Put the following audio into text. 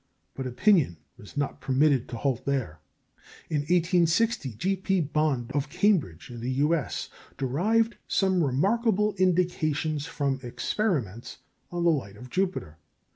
But opinion was not permitted to halt here. In 1860 G. P. Bond of Cambridge (U.S.) derived some remarkable indications from experiments on the light of Jupiter.